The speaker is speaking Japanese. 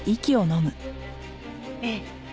ええ。